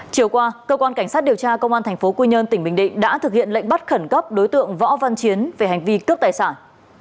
chiều qua cơ quan cảnh sát điều tra công an tp quy nhơn tỉnh bình định đã thực hiện lệnh bắt khẩn cấp đối tượng võ văn chiến về hành vi cướp tài sản